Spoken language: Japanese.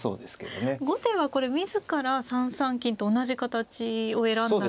後手はこれ自ら３三金と同じ形を選んだのは。